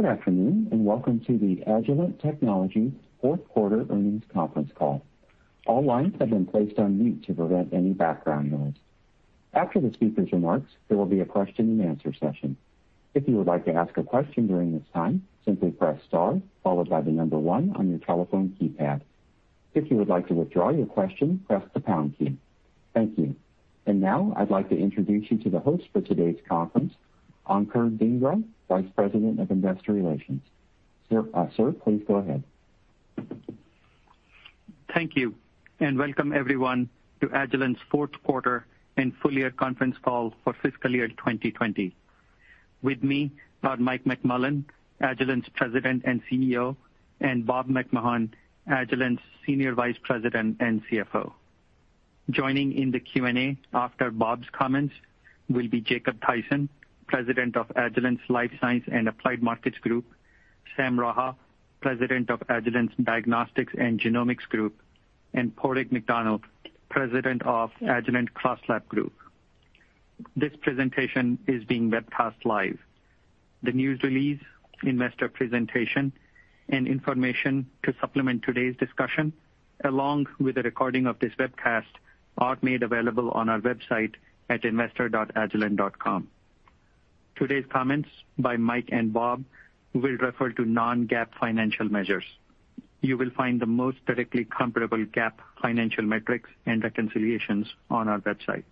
Good afternoon, and welcome to the Agilent Technologies fourth quarter earnings conference call. All lines have been placed on mute to prevent any background noise. After the speakers' remarks, there will be a question and answer session. If you would like to ask a question during this time, simply press star followed by the number 1 on your telephone keypad. If you would like to withdraw your question, press the pound key. Thank you. I'd like to introduce you to the host for today's conference, Ankur Dhingra, Vice President of Investor Relations. Sir, please go ahead. Thank you. Welcome everyone to Agilent's fourth quarter and full year conference call for fiscal year 2020. With me are Mike McMullen, Agilent's President and CEO. Bob McMahon, Agilent's Senior Vice President and CFO. Joining in the Q&A after Bob's comments will be Jacob Thaysen, President of Agilent's Life Sciences and Applied Markets Group, Sam Raha, President of Agilent's Diagnostics and Genomics Group. Padraig McDonnell, President of Agilent CrossLab Group. This presentation is being webcast live. The news release, investor presentation, and information to supplement today's discussion, along with a recording of this webcast, are made available on our website at investor.agilent.com. Today's comments by Mike and Bob will refer to non-GAAP financial measures. You will find the most directly comparable GAAP financial metrics and reconciliations on our website.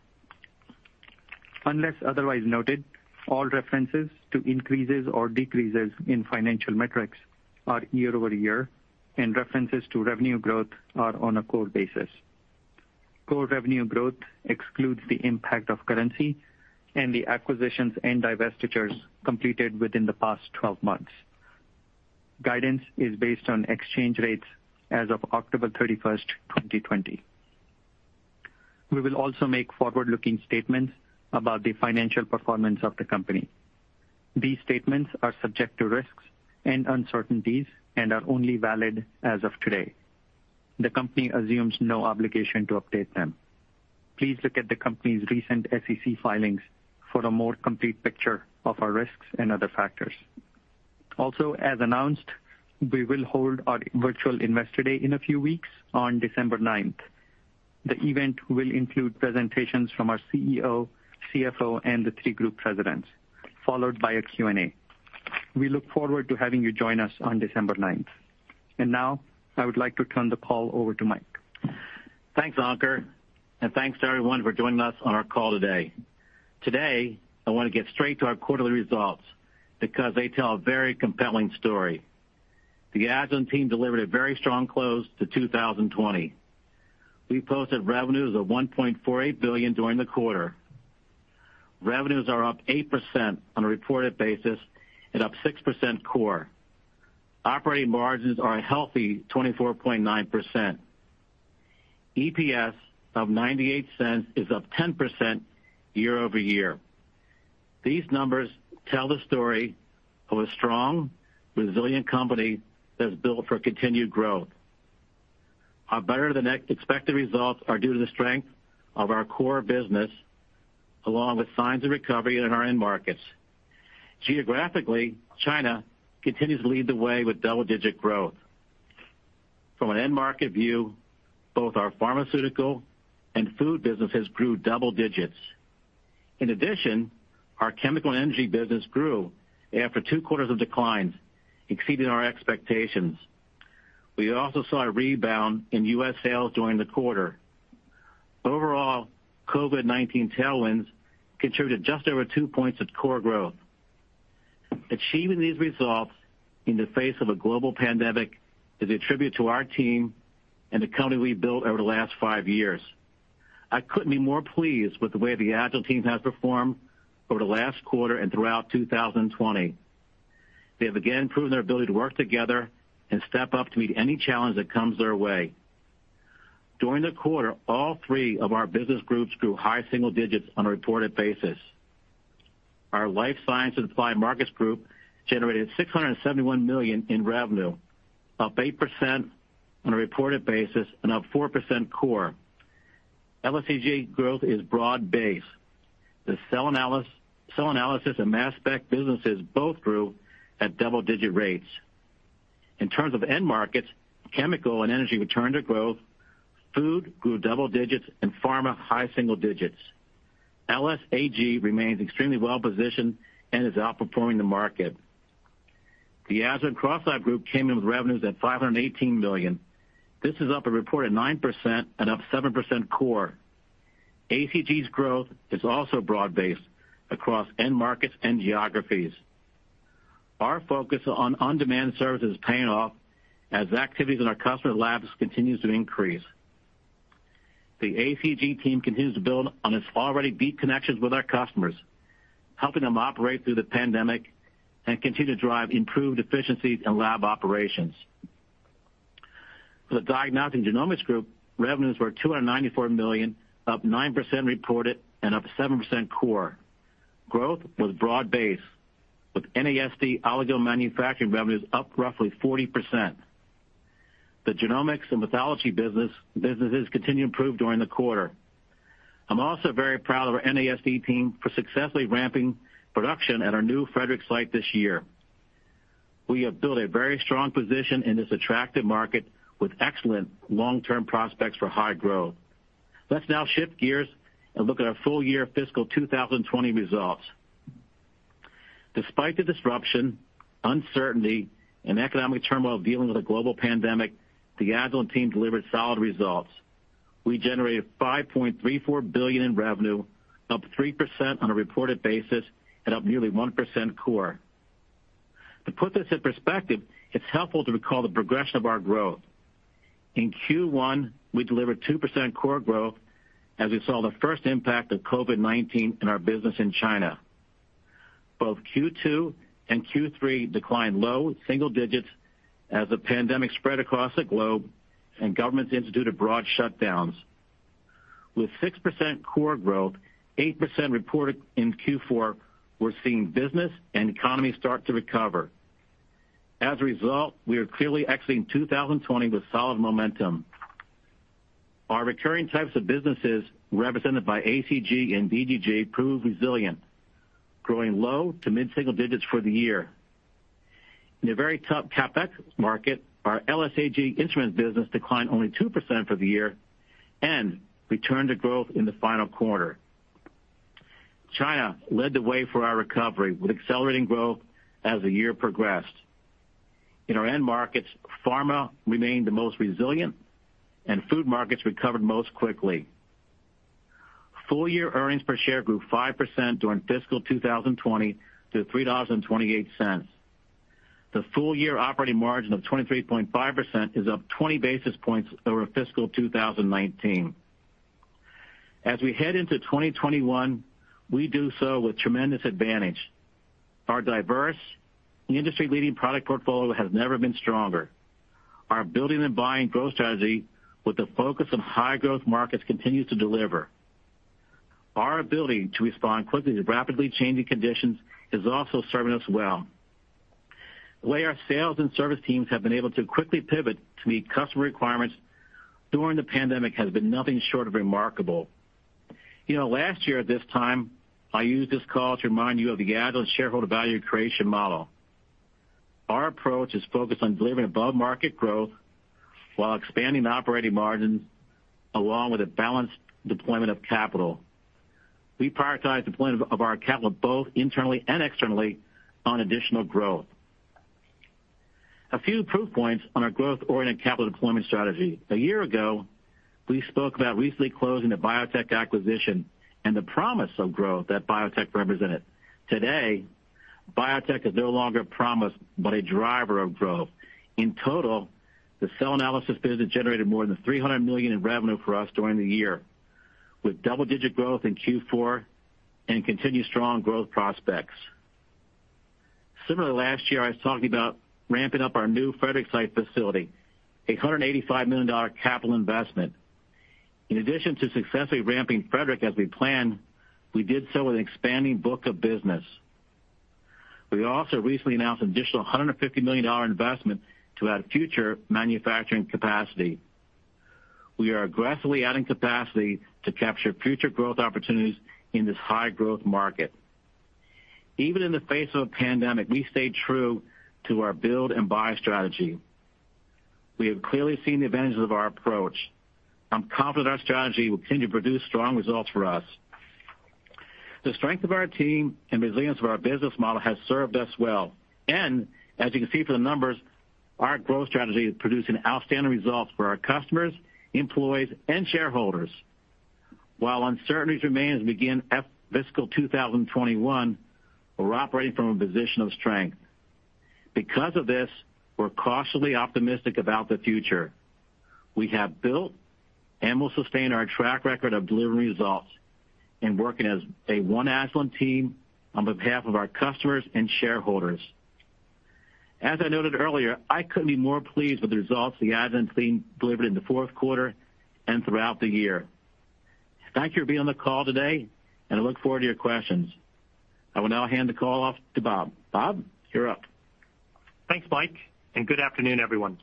Unless otherwise noted, all references to increases or decreases in financial metrics are year-over-year, and references to revenue growth are on a core basis. Core revenue growth excludes the impact of currency and the acquisitions and divestitures completed within the past 12 months. Guidance is based on exchange rates as of October 31st, 2020. We will also make forward-looking statements about the financial performance of the company. These statements are subject to risks and uncertainties and are only valid as of today. The company assumes no obligation to update them. Please look at the company's recent SEC filings for a more complete picture of our risks and other factors. Also, as announced, we will hold our virtual Investor Day in a few weeks on December ninth. The event will include presentations from our CEO, CFO, and the three group presidents, followed by a Q&A. We look forward to having you join us on December ninth. Now I would like to turn the call over to Mike. Thanks, Ankur, thanks to everyone for joining us on our call today. Today, I want to get straight to our quarterly results because they tell a very compelling story. The Agilent team delivered a very strong close to 2020. We posted revenues of $1.48 billion during the quarter. Revenues are up 8% on a reported basis and up 6% core. Operating margins are a healthy 24.9%. EPS of $0.98 is up 10% year-over-year. These numbers tell the story of a strong, resilient company that is built for continued growth. Our better-than-expected results are due to the strength of our core business, along with signs of recovery in our end markets. Geographically, China continues to lead the way with double-digit growth. From an end market view, both our pharmaceutical and food businesses grew double digits. In addition, our Chemical and Energy business grew after two quarters of declines, exceeding our expectations. We also saw a rebound in U.S. sales during the quarter. Overall, COVID-19 tailwinds contributed just over two points of core growth. Achieving these results in the face of a global pandemic is a tribute to our team and the company we've built over the last five years. I couldn't be more pleased with the way the Agilent team has performed over the last quarter and throughout 2020. They have again proven their ability to work together and step up to meet any challenge that comes their way. During the quarter, all three of our business groups grew high single digits on a reported basis. Our Life Science and Applied Markets Group generated $671 million in revenue, up 8% on a reported basis and up 4% core. LSAG growth is broad-based. The Cell Analysis and Mass Spec businesses both grew at double-digit rates. In terms of end markets, Chemical and Energy returned to growth, Food grew double digits, and Pharma high single digits. LSAG remains extremely well-positioned and is outperforming the market. The Agilent CrossLab Group came in with revenues at $518 million. This is up a reported 9% and up 7% core. ACG's growth is also broad based across end markets and geographies. Our focus on on-demand service is paying off as activities in our customer labs continues to increase. The ACG team continues to build on its already deep connections with our customers, helping them operate through the pandemic and continue to drive improved efficiencies in lab operations. For the Diagnostics and Genomics Group, revenues were $294 million, up 9% reported and up 7% core. Growth was broad based, with NASD oligo manufacturing revenues up roughly 40%. The Genomics and Pathology businesses continue to improve during the quarter. I'm also very proud of our NASD team for successfully ramping production at our new Frederick site this year. We have built a very strong position in this attractive market with excellent long-term prospects for high growth. Let's now shift gears and look at our full year fiscal 2020 results. Despite the disruption, uncertainty, and economic turmoil of dealing with a global pandemic, the Agilent team delivered solid results. We generated $5.34 billion in revenue, up 3% on a reported basis, and up nearly 1% core. To put this in perspective, it's helpful to recall the progression of our growth. In Q1, we delivered 2% core growth as we saw the first impact of COVID-19 in our business in China. Both Q2 and Q3 declined low single digits as the pandemic spread across the globe and governments instituted broad shutdowns. With 6% core growth, 8% reported in Q4, we're seeing business and economy start to recover. As a result, we are clearly exiting 2020 with solid momentum. Our recurring types of businesses represented by ACG and DGG proved resilient, growing low to mid-single digits for the year. In a very tough CapEx market, our LSAG instrument business declined only 2% for the year and returned to growth in the final quarter. China led the way for our recovery, with accelerating growth as the year progressed. In our end markets, pharma remained the most resilient, and food markets recovered most quickly. Full-year earnings per share grew 5% during fiscal 2020 to $3.28. The full-year operating margin of 23.5% is up 20 basis points over fiscal 2019. As we head into 2021, we do so with tremendous advantage. Our diverse industry-leading product portfolio has never been stronger. Our building and buying growth strategy with a focus on high-growth markets continues to deliver. Our ability to respond quickly to rapidly changing conditions is also serving us well. The way our Sales and Service teams have been able to quickly pivot to meet customer requirements during the pandemic has been nothing short of remarkable. Last year at this time, I used this call to remind you of the Agilent shareholder value creation model. Our approach is focused on delivering above-market growth while expanding operating margins, along with a balanced deployment of capital. We prioritize deployment of our capital both internally and externally on additional growth. A few proof points on our growth-oriented capital deployment strategy. A year ago, we spoke about recently closing the BioTek acquisition and the promise of growth that BioTek represented. Today, BioTek is no longer a promise, but a driver of growth. In total, the Cell Analysis business generated more than $300 million in revenue for us during the year, with double-digit growth in Q4 and continued strong growth prospects. Similarly, last year, I was talking about ramping up our new Frederick site facility, a $185 million capital investment. In addition to successfully ramping Frederick as we planned, we did so with an expanding book of business. We also recently announced an additional $150 million investment to add future manufacturing capacity. We are aggressively adding capacity to capture future growth opportunities in this high-growth market. Even in the face of a pandemic, we stayed true to our build and buy strategy. We have clearly seen the advantages of our approach. I'm confident our strategy will continue to produce strong results for us. The strength of our team and resilience of our business model has served us well. As you can see from the numbers, our growth strategy is producing outstanding results for our customers, employees, and shareholders. While uncertainties remain as we begin fiscal 2021, we're operating from a position of strength. Because of this, we're cautiously optimistic about the future. We have built and will sustain our track record of delivering results and working as a one Agilent team on behalf of our customers and shareholders. As I noted earlier, I couldn't be more pleased with the results the Agilent team delivered in the fourth quarter and throughout the year. Thank you for being on the call today, and I look forward to your questions. I will now hand the call off to Bob. Bob, you're up. Thanks, Mike. Good afternoon, everyone.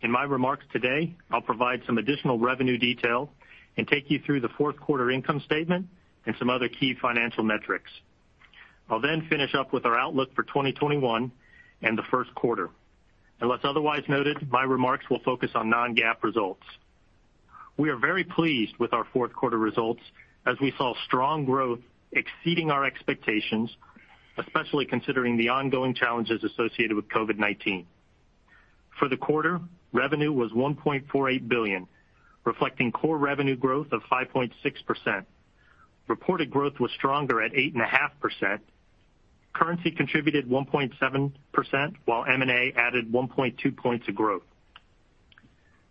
In my remarks today, I'll provide some additional revenue detail and take you through the fourth quarter income statement and some other key financial metrics. I'll finish up with our outlook for 2021 and the first quarter. Unless otherwise noted, my remarks will focus on non-GAAP results. We are very pleased with our fourth quarter results as we saw strong growth exceeding our expectations, especially considering the ongoing challenges associated with COVID-19. For the quarter, revenue was $1.48 billion, reflecting core revenue growth of 5.6%. Reported growth was stronger at 8.5%. Currency contributed 1.7%, while M&A added 1.2 points of growth.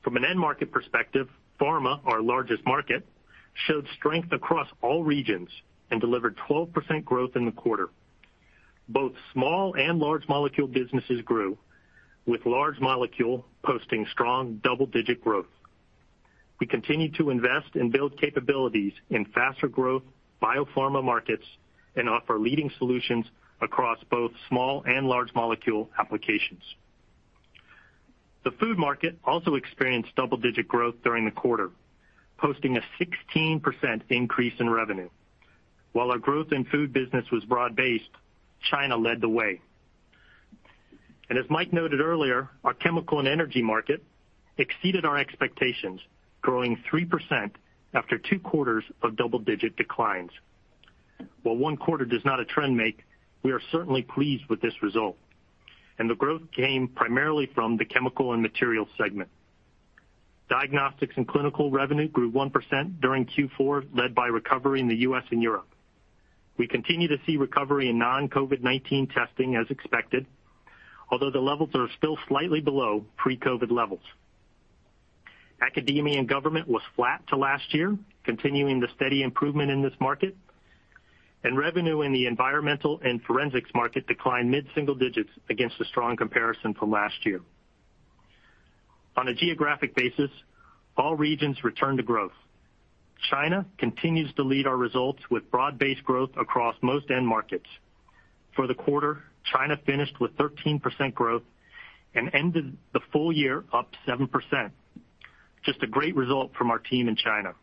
From an end market perspective, pharma, our largest market, showed strength across all regions and delivered 12% growth in the quarter. Both small and large molecule businesses grew, with large molecule posting strong double-digit growth. We continue to invest and build capabilities in faster growth biopharma markets and offer leading solutions across both small and large molecule applications. The food market also experienced double-digit growth during the quarter, posting a 16% increase in revenue. While our growth in food business was broad-based, China led the way. As Mike noted earlier, our Chemical and Energy market exceeded our expectations, growing 3% after two quarters of double-digit declines. While one quarter does not a trend make, we are certainly pleased with this result, and the growth came primarily from the chemical and materials segment. Diagnostics and Clinical revenue grew 1% during Q4, led by recovery in the U.S. and Europe. We continue to see recovery in non-COVID-19 testing as expected, although the levels are still slightly below pre-COVID levels. Academia and Government was flat to last year, continuing the steady improvement in this market. Revenue in the environmental and forensics market declined mid-single digits against a strong comparison from last year. On a geographic basis, all regions returned to growth. China continues to lead our results with broad-based growth across most end markets. For the quarter, China finished with 13% growth and ended the full year up 7%. Just a great result from our team in China.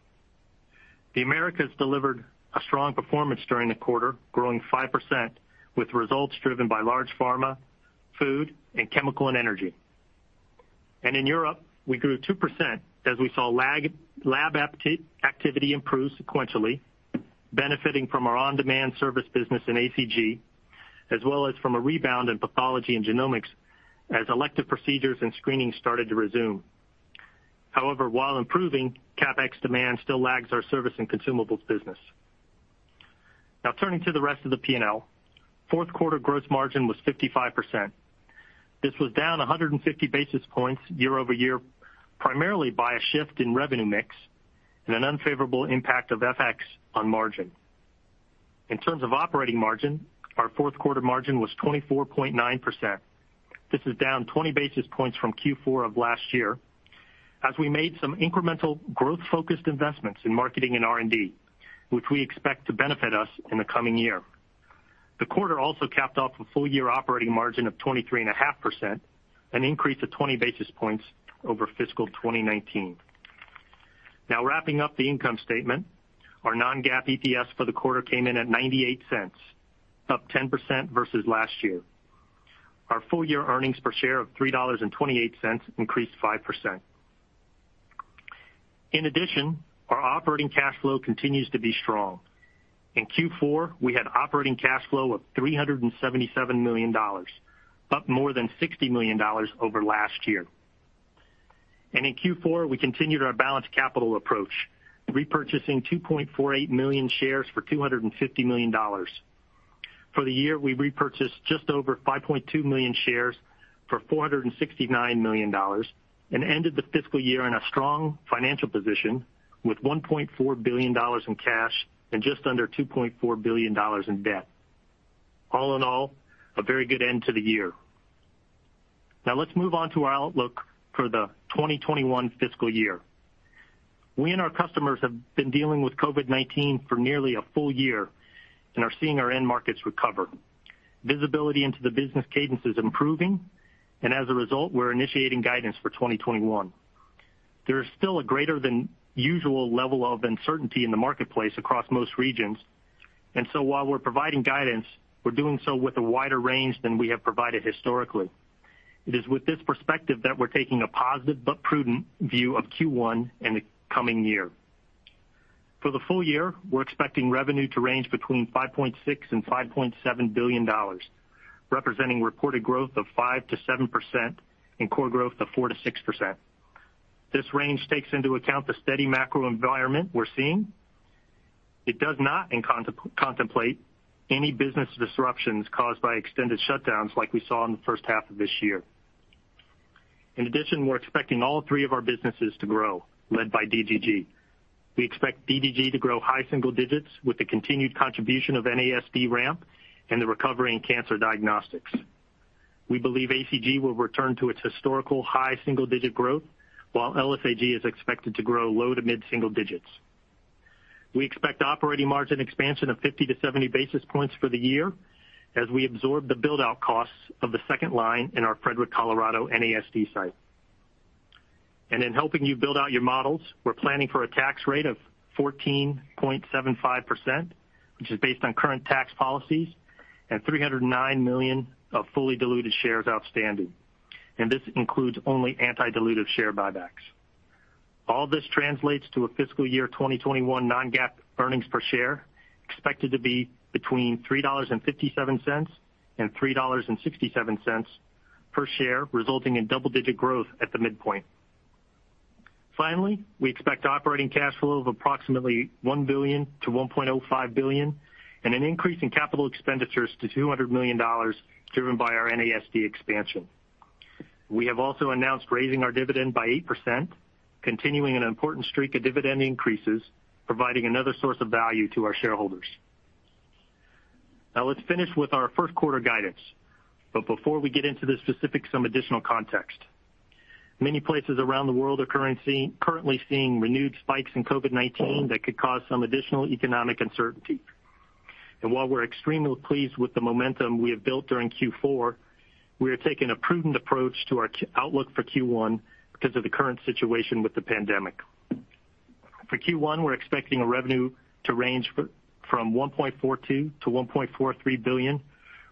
The Americas delivered a strong performance during the quarter, growing 5%, with results driven by large Pharma, Food, and Chemical and Energy. In Europe, we grew 2% as we saw lab activity improve sequentially, benefiting from our on-demand Service business in ACG, as well as from a rebound in Pathology and Genomics as elective procedures and screening started to resume. However, while improving, CapEx demand still lags our Service and Consumables business. Turning to the rest of the P&L. Fourth quarter gross margin was 55%. This was down 150 basis points year-over-year, primarily by a shift in revenue mix and an unfavorable impact of FX on margin. In terms of operating margin, our fourth quarter margin was 24.9%. This is down 20 basis points from Q4 of last year as we made some incremental growth-focused investments in marketing and R&D, which we expect to benefit us in the coming year. The quarter also capped off a full-year operating margin of 23.5%, an increase of 20 basis points over fiscal 2019. Wrapping up the income statement, our non-GAAP EPS for the quarter came in at $0.98, up 10% versus last year. Our full-year earnings per share of $3.28 increased 5%. In addition, our operating cash flow continues to be strong. In Q4, we had operating cash flow of $377 million, up more than $60 million over last year. In Q4, we continued our balanced capital approach, repurchasing 2.48 million shares for $250 million. For the year, we repurchased just over 5.2 million shares for $469 million and ended the fiscal year in a strong financial position with $1.4 billion in cash and just under $2.4 billion in debt. All in all, a very good end to the year. Let's move on to our outlook for the 2021 fiscal year. We and our customers have been dealing with COVID-19 for nearly a full year and are seeing our end markets recover. Visibility into the business cadence is improving, and as a result, we're initiating guidance for 2021. There is still a greater than usual level of uncertainty in the marketplace across most regions. While we're providing guidance, we're doing so with a wider range than we have provided historically. It is with this perspective that we're taking a positive but prudent view of Q1 and the coming year. For the full year, we're expecting revenue to range between $5.6 billion-$5.7 billion, representing reported growth of 5%-7% and core growth of 4%-6%. This range takes into account the steady macro environment we're seeing. It does not contemplate any business disruptions caused by extended shutdowns like we saw in the first half of this year. In addition, we're expecting all three of our businesses to grow, led by DGG. We expect DGG to grow high single digits with the continued contribution of NASD ramp and the recovery in cancer diagnostics. We believe ACG will return to its historical high single-digit growth, while LSAG is expected to grow low to mid-single digits. We expect operating margin expansion of 50 to 70 basis points for the year as we absorb the build-out costs of the second line in our Frederick, Colorado, NASD site. In helping you build out your models, we're planning for a tax rate of 14.75%, which is based on current tax policies, and 309 million of fully diluted shares outstanding. This includes only anti-dilutive share buybacks. All this translates to a fiscal year 2021 non-GAAP earnings per share, expected to be between $3.57 and $3.67 per share, resulting in double-digit growth at the midpoint. Finally, we expect operating cash flow of approximately $1 billion-$1.05 billion and an increase in capital expenditures to $200 million, driven by our NASD expansion. We have also announced raising our dividend by 8%, continuing an important streak of dividend increases, providing another source of value to our shareholders. Let's finish with our first quarter guidance. Before we get into the specifics, some additional context. Many places around the world are currently seeing renewed spikes in COVID-19 that could cause some additional economic uncertainty. While we're extremely pleased with the momentum we have built during Q4, we are taking a prudent approach to our outlook for Q1 because of the current situation with the pandemic. For Q1, we're expecting a revenue to range from $1.42 billion-$1.43 billion,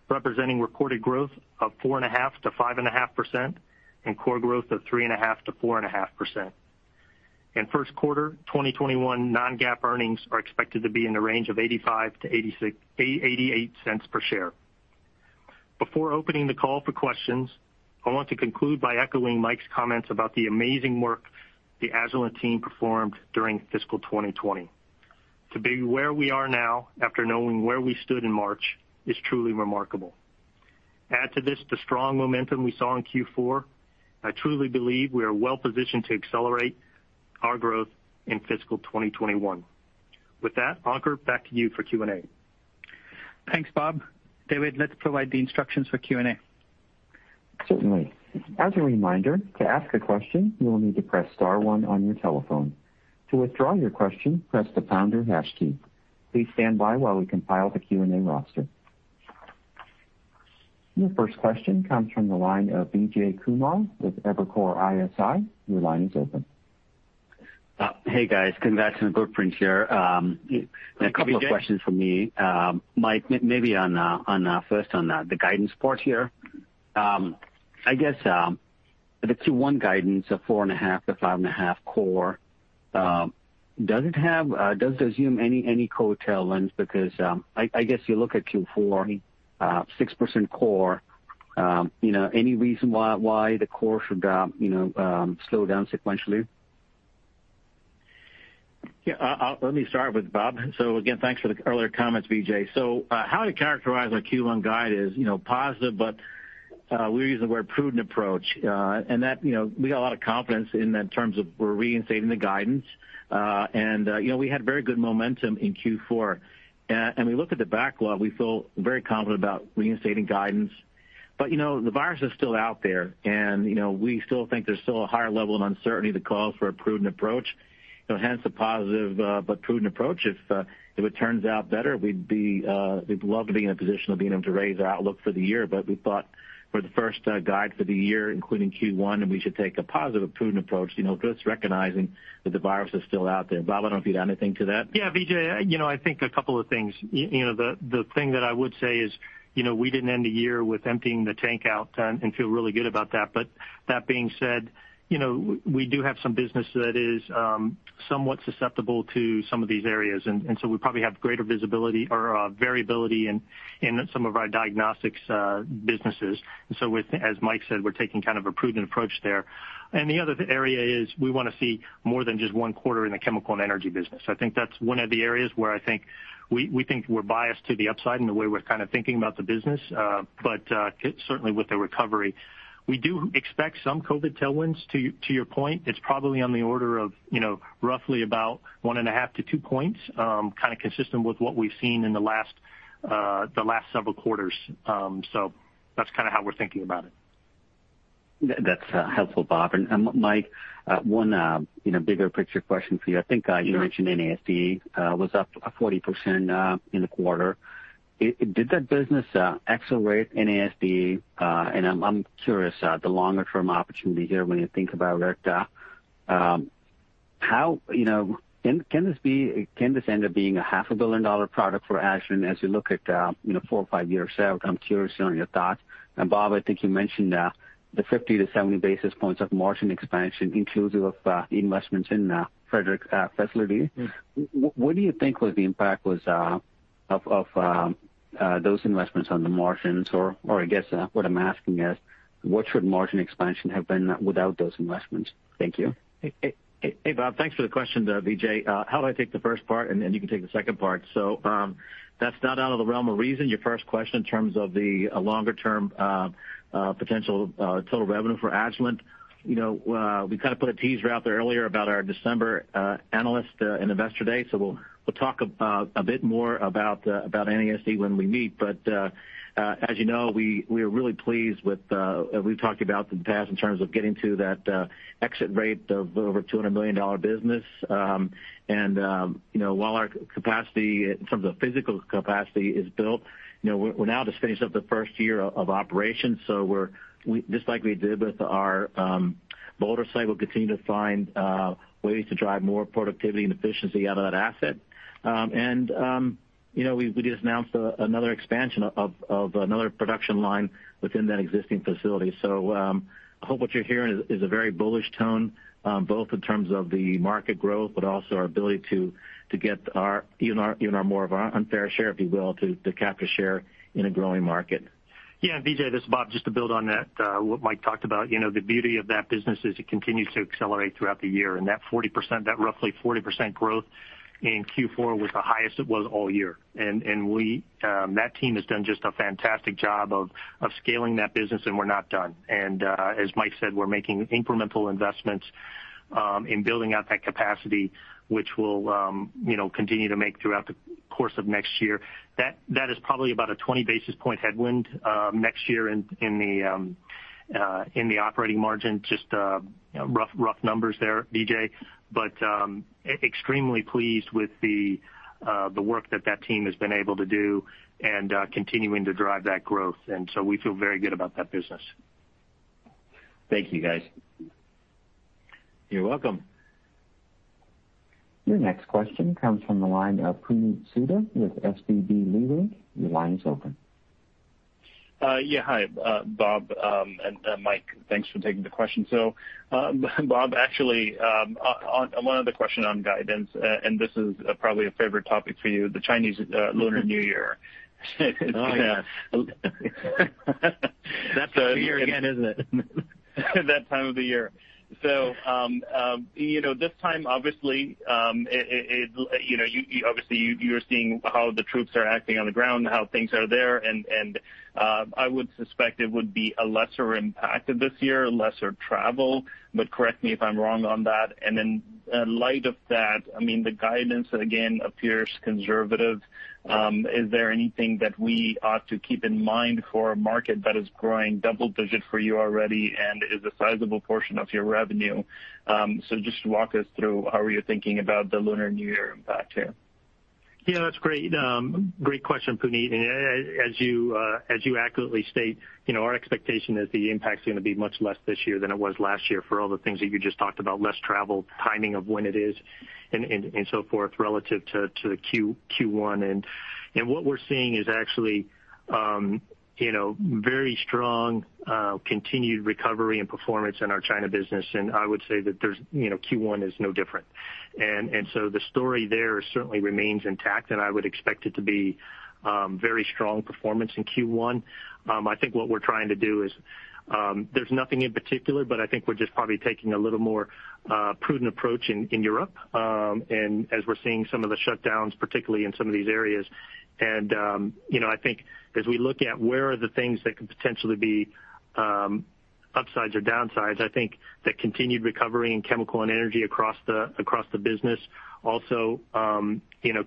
representing recorded growth of 4.5%-5.5% and core growth of 3.5%-4.5%. In first quarter 2021, non-GAAP earnings are expected to be in the range of $0.85-$0.88 per share. Before opening the call for questions, I want to conclude by echoing Mike's comments about the amazing work the Agilent team performed during fiscal 2020. To be where we are now after knowing where we stood in March is truly remarkable. Add to this the strong momentum we saw in Q4, I truly believe we are well positioned to accelerate our growth in fiscal 2021. With that, Ankur, back to you for Q&A. Thanks, Bob. David, let's provide the instructions for Q&A. Certainly. As a reminder, to ask a question, you will need to press star one on your telephone. To withdraw your question, press the pound key. Please stand by while we compile the Q&A roster. Your first question comes from the line of Vijay Kumar with Evercore ISI. Your line is open. Hey, guys. Congrats on the good prints here. Hey, Vijay. A couple of questions from me. Mike, maybe first on the guidance part here. I guess, the Q1 guidance of 4.5%-5.5% core, does it assume any COVID tailwinds? I guess you look at Q4, 6% core. Any reason why the core should slow down sequentially? Yeah. Let me start with Bob. Again, thanks for the earlier comments, Vijay. How we characterize our Q1 guide is positive, but we use the word prudent approach. We got a lot of confidence in terms of we're reinstating the guidance. We had very good momentum in Q4, and we look at the backlog, we feel very confident about reinstating guidance. The virus is still out there, and we still think there's still a higher level of uncertainty that calls for a prudent approach. Hence the positive but prudent approach. If it turns out better, we'd love to be in a position of being able to raise our outlook for the year. We thought for the first guide for the year, including Q1, we should take a positive, prudent approach, just recognizing that the virus is still out there. Bob, I don't know if you'd add anything to that. Yeah, Vijay. I think a couple of things. The thing that I would say is we didn't end the year with emptying the tank out and feel really good about that. That being said, we do have some business that is somewhat susceptible to some of these areas, and so we probably have greater variability in some of our diagnostics businesses. As Mike said, we're taking kind of a prudent approach there. The other area is we want to see more than just 1/4 in the Chemical and Energy business. I think that's one of the areas where I think we think we're biased to the upside in the way we're kind of thinking about the business. Certainly with the recovery, we do expect some COVID tailwinds, to your point. It's probably on the order of roughly about 1.5 points-2 points, kind of consistent with what we've seen in the last several quarters. That's kind of how we're thinking about it. That's helpful, Bob. Mike, one bigger picture question for you. I think you mentioned NASD was up 40% in the quarter. Did that business accelerate NASD? I'm curious, the longer-term opportunity here when you think about it, can this end up being a half a billion-dollar product for Agilent as you look at four or five years out? I'm curious on your thoughts. Bob, I think you mentioned the 50 to 70 basis points of margin expansion inclusive of the investments in Frederick facility. What do you think was the impact of those investments on the margins? Or I guess, what I'm asking is, what should margin expansion have been without those investments? Thank you. Hey, Bob. Thanks for the question there, Vijay. How about I take the first part, and you can take the second part. That's not out of the realm of reason, your first question, in terms of the longer-term potential total revenue for Agilent. We kind of put a teaser out there earlier about our December analyst and investor day. We'll talk a bit more about NASD when we meet. As you know, we've talked about the past in terms of getting to that exit rate of over $200 million business. While our capacity in terms of physical capacity is built, we're now just finishing up the first year of operations. Just like we did with our Boulder site, we'll continue to find ways to drive more productivity and efficiency out of that asset. We just announced another expansion of another production line within that existing facility. I hope what you're hearing is a very bullish tone, both in terms of the market growth, but also our ability to get even more of our unfair share, if you will, to capture share in a growing market. Yeah, Vijay, this is Bob. Just to build on that, what Mike talked about, the beauty of that business is it continues to accelerate throughout the year. That roughly 40% growth in Q4 was the highest it was all year. That team has done just a fantastic job of scaling that business. We're not done. As Mike said, we're making incremental investments in building out that capacity, which we'll continue to make throughout the course of next year. That is probably about a 20 basis point headwind next year in the operating margin. Just rough numbers there, Vijay, but extremely pleased with the work that that team has been able to do and continuing to drive that growth. We feel very good about that business. Thank you, guys. You're welcome. Your next question comes from the line of Puneet Souda with SVB Leerink. Yeah, hi. Bob and Mike, thanks for taking the question. Bob, actually, one other question on guidance, and this is probably a favorite topic for you, the Chinese Lunar New Year. Oh, yeah. That's the year again, isn't it? That time of the year. This time, obviously, you're seeing how the troops are acting on the ground, how things are there, and I would suspect it would be a lesser impact this year, lesser travel, but correct me if I'm wrong on that. In light of that, the guidance, again, appears conservative. Is there anything that we ought to keep in mind for a market that is growing double digit for you already and is a sizable portion of your revenue? Just walk us through how you're thinking about the Lunar New Year impact here. Yeah, that's great. Great question, Puneet, as you accurately state, our expectation is the impact's going to be much less this year than it was last year for all the things that you just talked about, less travel, timing of when it is, and so forth, relative to Q1. What we're seeing is actually very strong continued recovery and performance in our China business, and I would say that Q1 is no different. The story there certainly remains intact, and I would expect it to be very strong performance in Q1. I think what we're trying to do is, there's nothing in particular, but I think we're just probably taking a little more prudent approach in Europe, as we're seeing some of the shutdowns, particularly in some of these areas. I think as we look at where are the things that could potentially be upsides or downsides, I think the continued recovery in Chemical and Energy across the business.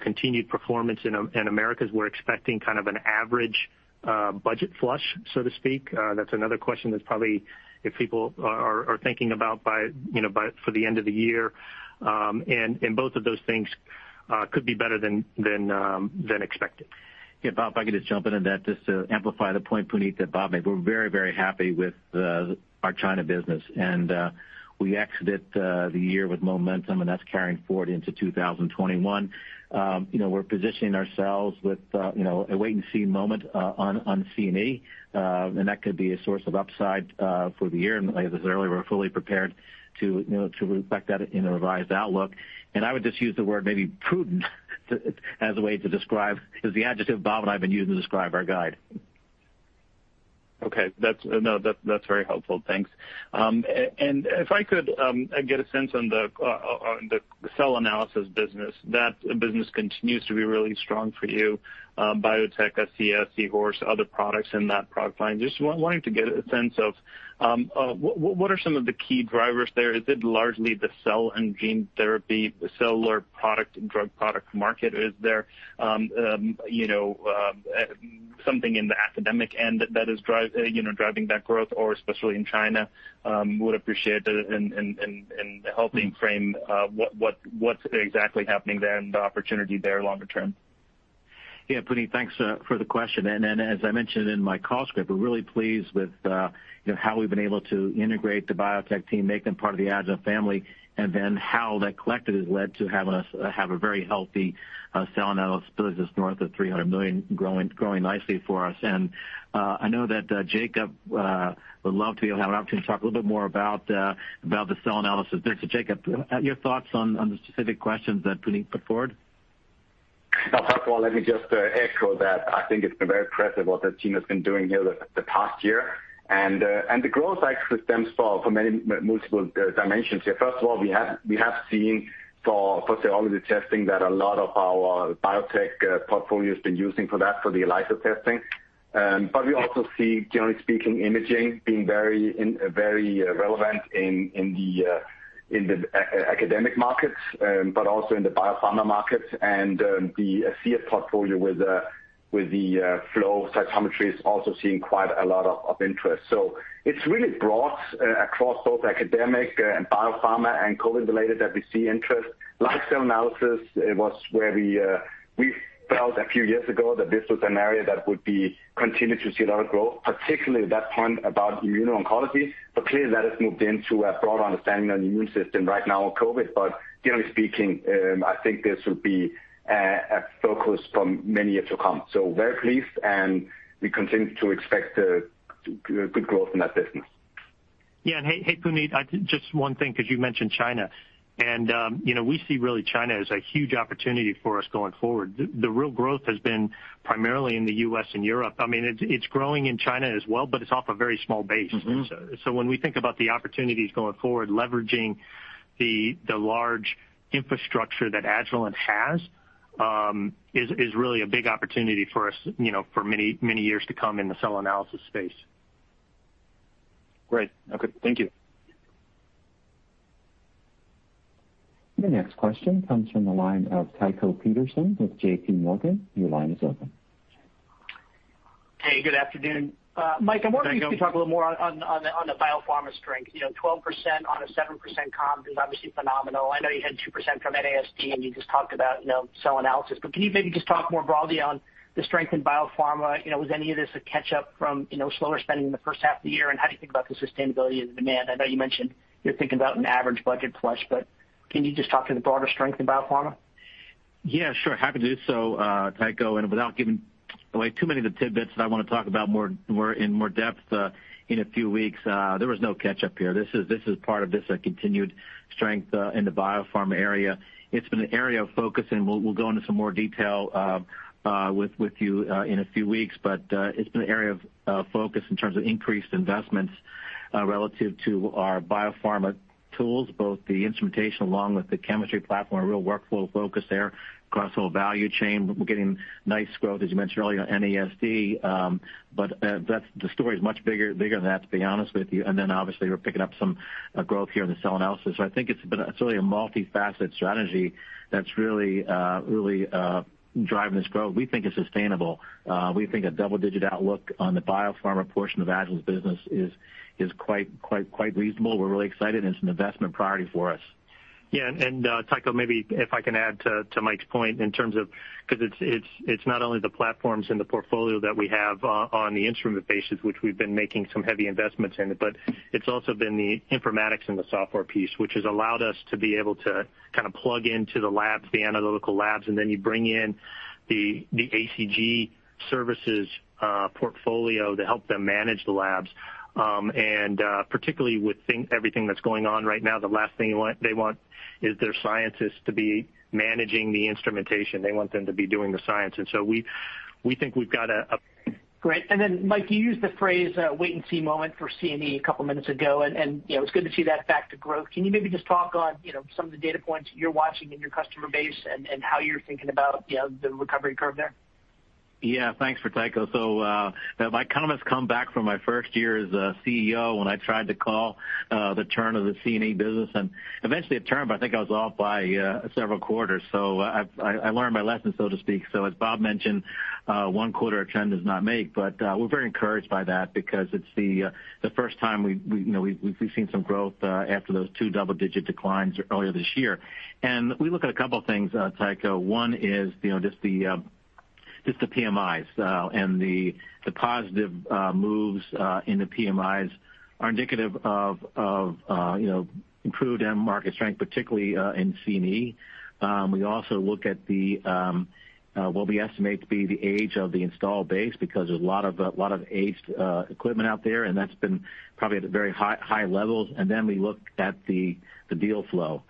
Continued performance in Americas. We're expecting kind of an average budget flush, so to speak. That's another question that probably if people are thinking about for the end of the year. Both of those things could be better than expected. Yeah, Bob, if I could just jump into that just to amplify the point, Puneet, that Bob made. We're very happy with our China business, we exited the year with momentum, and that's carrying forward into 2021. We're positioning ourselves with a wait-and-see moment on C&E, that could be a source of upside for the year. As I said earlier, we're fully prepared to reflect that in a revised outlook. I would just use the word maybe prudent as a way to describe, as the adjective Bob and I have been using to describe our guide. Okay. That's very helpful. Thanks. If I could get a sense on the Cell Analysis business. That business continues to be really strong for you. BioTek, ACEA, Seahorse, other products in that product line. Just wanting to get a sense of what are some of the key drivers there? Is it largely the cell and gene therapy, the cellular product, drug product market? Is there something in the academic end that is driving that growth, or especially in China? Would appreciate in helping frame what's exactly happening there and the opportunity there longer term. Yeah, Puneet, thanks for the question, and as I mentioned in my call script, we're really pleased with how we've been able to integrate the BioTek team, make them part of the Agilent family, and then how that collected has led to have a very healthy Cell Analysis business north of $300 million, growing nicely for us. I know that Jacob would love to have an opportunity to talk a little bit more about the Cell Analysis there. Jacob, your thoughts on the specific questions that Puneet put forward? First of all, let me just echo that I think it's been very impressive what the team has been doing here the past year. The growth actually stems from multiple dimensions here. First of all, we have seen for serology testing that a lot of our BioTek portfolio has been using for that, for the ELISA testing. We also see, generally speaking, imaging being very relevant in the academic markets, but also in the biopharma markets and the ACEA portfolio with the Flow Cytometry is also seeing quite a lot of interest. It's really broad across both academic and biopharma and COVID related that we see interest. Like Cell Analysis, it was where we felt a few years ago that this was an area that would be continued to see a lot of growth, particularly at that point about immuno-oncology. Clearly that has moved into a broader understanding on the immune system right now with COVID. Generally speaking, I think this will be a focus for many years to come. Very pleased, and we continue to expect good growth in that business. Yeah. Hey, Puneet, just one thing, because you mentioned China, we see really China as a huge opportunity for us going forward. The real growth has been primarily in the U.S. and Europe. It's growing in China as well, it's off a very small base. When we think about the opportunities going forward, leveraging the large infrastructure that Agilent has, is really a big opportunity for us for many years to come in the Cell Analysis space. Great. Okay. Thank you. The next question comes from the line of Tycho Peterson with JPMorgan. Hey, good afternoon. Mike, I'm wondering if you could talk a little more on the biopharma strength. 12% on a 7% comp is obviously phenomenal. I know you had 2% from NASD, and you just talked about Cell Analysis, but can you maybe just talk more broadly on the strength in biopharma? Was any of this a catch-up from slower spending in the first half of the year, and how do you think about the sustainability of the demand? I know you mentioned you're thinking about an average budget plus, but can you just talk to the broader strength in biopharma? Yeah, sure. Happy to do so, Tycho. Without giving away too many of the tidbits that I want to talk about in more depth in a few weeks, there was no catch-up here. This is part of this continued strength in the biopharma area. It's been an area of focus. We'll go into some more detail with you in a few weeks. It's been an area of focus in terms of increased investments relative to our biopharma tools, both the instrumentation along with the chemistry platform, a real workflow focus there across the whole value chain. We're getting nice growth, as you mentioned earlier, on NASD. The story is much bigger than that, to be honest with you. Obviously, we're picking up some growth here in the Cell Analysis. I think it's really a multifaceted strategy that's really driving this growth. We think it's sustainable. We think a double-digit outlook on the biopharma portion of Agilent business is quite reasonable. We're really excited and it's an investment priority for us. Yeah, Tycho, maybe if I can add to Mike's point in terms of, because it's not only the platforms in the portfolio that we have on the instrument bases, which we've been making some heavy investments in it, but it's also been the informatics and the software piece, which has allowed us to be able to kind of plug into the labs, the analytical labs, and then you bring in the ACG services portfolio to help them manage the labs. Particularly with everything that's going on right now, the last thing they want is their scientists to be managing the instrumentation. They want them to be doing the science. Great. Mike, you used the phrase wait and see moment for C&E a couple of minutes ago, it's good to see that back to growth. Can you maybe just talk on some of the data points you're watching in your customer base and how you're thinking about the recovery curve there? Yeah. Thanks for Tycho. I kind of must come back from my first year as a CEO when I tried to call the turn of the C&E business, and eventually it turned, but I think I was off by several quarters. I learned my lesson, so to speak. As Bob mentioned, one quarter a trend does not make, but we're very encouraged by that because it's the first time we've seen some growth after those two double-digit declines earlier this year. We look at a couple of things, Tycho. One is just the PMIs. The positive moves in the PMIs are indicative of improved end market strength, particularly in C&E. We also look at what we estimate to be the age of the installed base, because there's a lot of aged equipment out there, and that's been probably at very high levels. We look at the deal flow.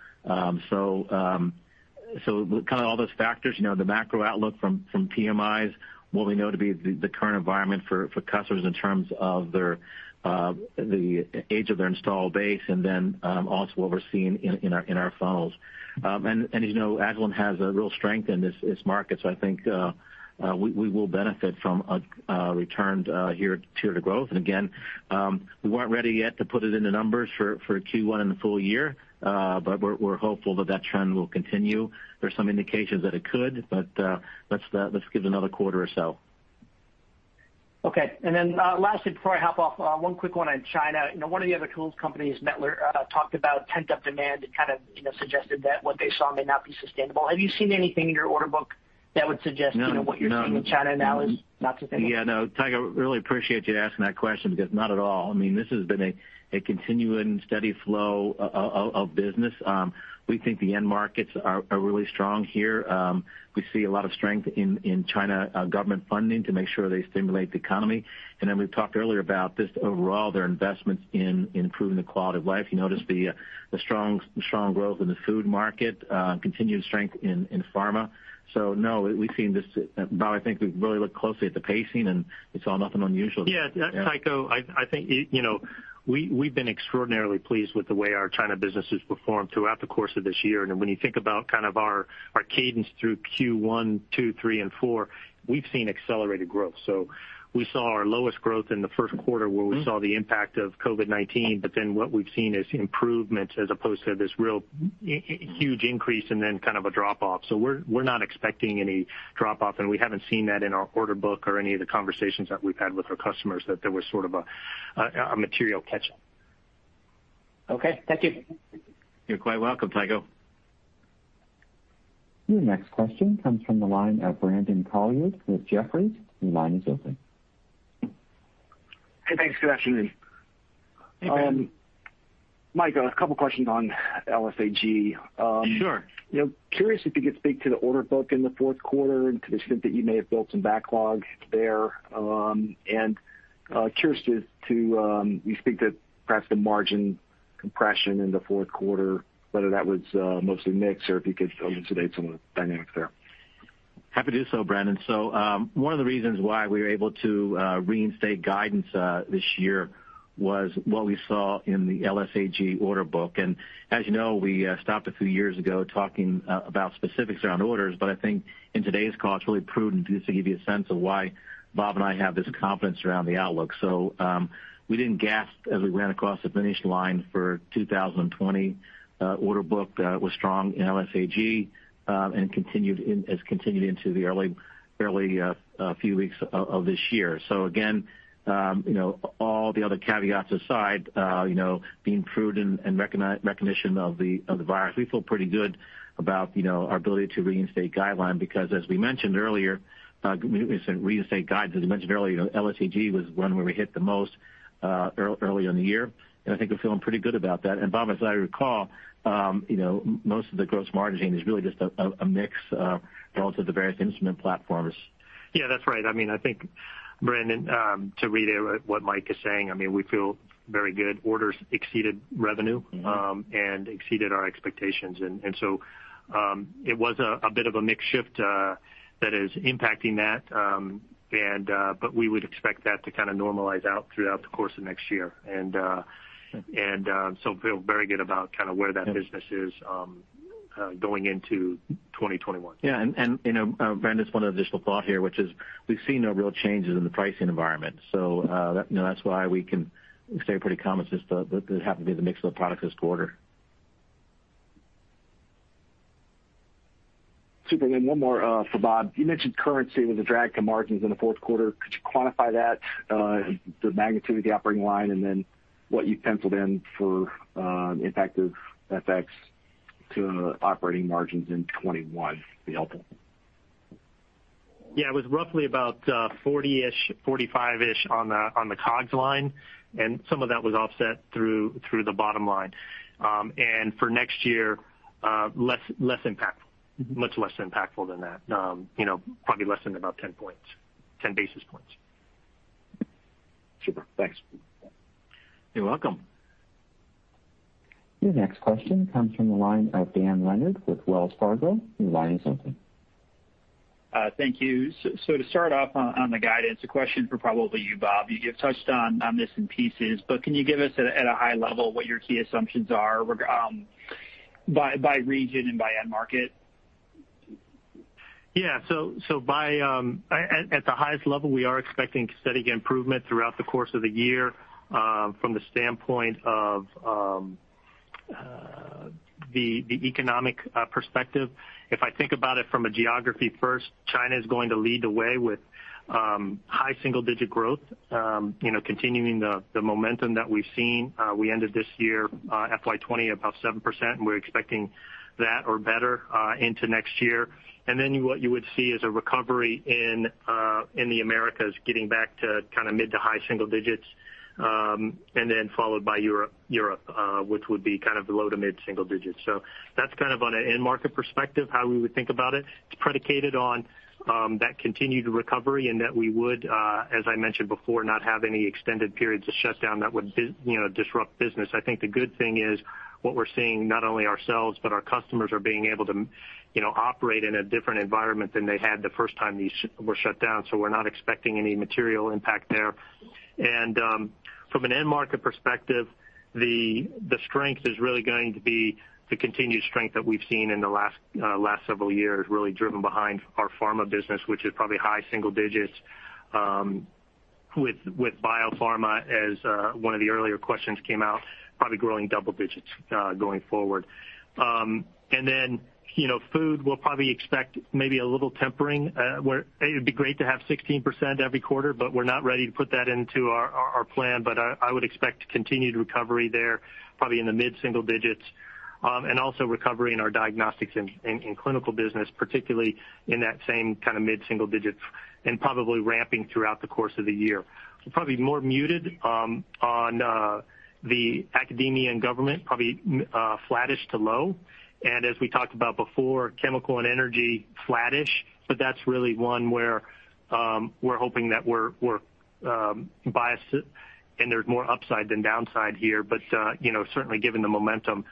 With kind of all those factors, the macro outlook from PMIs, what we know to be the current environment for customers in terms of the age of their installed base, what we're seeing in our funnels. As you know, Agilent has a real strength in this market, so I think we will benefit from a return here to growth. Again, we weren't ready yet to put it into numbers for Q1 and the full year. We're hopeful that trend will continue. There's some indications that it could, but let's give it another quarter or so. Okay. Lastly, before I hop off, one quick one on China. One of the other tools companies, Mettler-Toledo, talked about pent-up demand and kind of suggested that what they saw may not be sustainable. Have you seen anything in your order book that would suggest? No. What you're seeing in China now is not sustainable? Yeah, no, Tycho, I really appreciate you asking that question because not at all. I mean, this has been a continuing steady flow of business. We think the end markets are really strong here. We see a lot of strength in China government funding to make sure they stimulate the economy. We've talked earlier about just overall, their investments in improving the quality of life. You notice the strong growth in the Food market, continued strength in Pharma. No, we've seen this. Bob, I think we've really looked closely at the pacing, and we saw nothing unusual. Yeah. Tycho, I think we've been extraordinarily pleased with the way our China business has performed throughout the course of this year. When you think about kind of our cadence through Q1, two, three, and four, we've seen accelerated growth. We saw our lowest growth in the first quarter where we saw the impact of COVID-19, but then what we've seen is improvements as opposed to this real huge increase and then kind of a drop-off. We're not expecting any drop-off, and we haven't seen that in our order book or any of the conversations that we've had with our customers, that there was sort of a material catch-up. Okay. Thank you. You're quite welcome, Tycho. The next question comes from the line of Brandon Couillard with Jefferies. Your line is open. Hey, thanks. Good afternoon. Hey, Brandon. Mike, a couple questions on LSAG. Sure. Curious if you could speak to the order book in the fourth quarter and to the extent that you may have built some backlog there. Curious if you speak to perhaps the margin compression in the fourth quarter, whether that was mostly mix or if you could elucidate some of the dynamics there? Happy to do so, Brandon. One of the reasons why we were able to reinstate guidance this year was what we saw in the LSAG order book. As you know, we stopped a few years ago talking about specifics around orders. I think in today's call, it's really prudent just to give you a sense of why Bob and I have this confidence around the outlook. We didn't gasp as we ran across the finish line for 2020. Order book was strong in LSAG, and it's continued into the early few weeks of this year. All the other caveats aside, being prudent in recognition of the virus, we feel pretty good about our ability to reinstate guidance because as we mentioned earlier. As we mentioned earlier, LSAG was one where we hit the most early in the year, and I think we're feeling pretty good about that. Bob, as I recall, most of the gross margin is really just a mix relative to various instrument platforms. Yeah, that's right. I think, Brandon, to reiterate what Mike is saying, we feel very good. Orders exceeded revenue. Exceeded our expectations. It was a bit of a mix shift that is impacting that, but we would expect that to normalize out throughout the course of next year. feel very good about where that business is going into 2021. Yeah. Brandon, just one additional thought here, which is we've seen no real changes in the pricing environment. That's why we can stay pretty calm. It's just that it happened to be the mix of the products this quarter. Super. Then one more for Bob. You mentioned currency was a drag to margins in the fourth quarter. Could you quantify that, the magnitude at the operating line, then what you penciled in for impact of FX to operating margins in 2021 would be helpful. Yeah. It was roughly about 40-ish, 45-ish on the COGS line, some of that was offset through the bottom line. For next year, much less impactful than that. Probably less than about 10 basis points. Super. Thanks. You're welcome. Your next question comes from the line of Dan Leonard with Wells Fargo. Your line is open. Thank you. To start off on the guidance, a question for probably you, Bob. You've touched on this in pieces, but can you give us at a high level what your key assumptions are by region and by end market? Yeah. At the highest level, we are expecting steady improvement throughout the course of the year from the standpoint of the economic perspective. If I think about it from a geography first, China's going to lead the way with high single-digit growth, continuing the momentum that we've seen. We ended this year, FY 2020, about 7%, and we're expecting that or better into next year. What you would see is a recovery in the Americas, getting back to mid to high single digits, and then followed by Europe, which would be low to mid single digits. That's on an end-market perspective, how we would think about it. It's predicated on that continued recovery and that we would, as I mentioned before, not have any extended periods of shutdown that would disrupt business. I think the good thing is what we are seeing, not only ourselves, but our customers are being able to operate in a different environment than they had the first time these were shut down. We are not expecting any material impact there. From an end-market perspective, the strength is really going to be the continued strength that we have seen in the last several years, really driven behind our Pharma business, which is probably high single digits. With biopharma, as one of the earlier questions came out, probably growing double digits, going forward. Food, we will probably expect maybe a little tempering, where it would be great to have 16% every quarter, but we are not ready to put that into our plan. I would expect continued recovery there, probably in the mid-single digits. Also recovery in our Diagnostics and Clinical business, particularly in that same mid-single digits, and probably ramping throughout the course of the year. Probably more muted on the Academia and Government, probably flattish to low. As we talked about before, Chemical and Energy, flattish, but that's really one where we're hoping that we're biased, and there's more upside than downside here. Certainly given the momentum,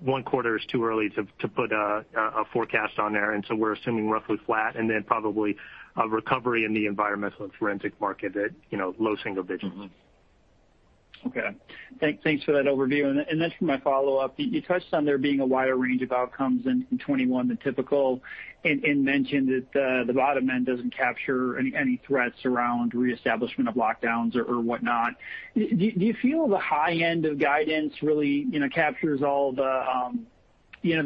one quarter is too early to put a forecast on there. We're assuming roughly flat, and then probably a recovery in the environmental and forensic market at low single digits. Okay. Thanks for that overview. For my follow-up, you touched on there being a wider range of outcomes in 2021 than typical and mentioned that the bottom end doesn't capture any threats around reestablishment of lockdowns or whatnot. Do you feel the high end of guidance really captures all the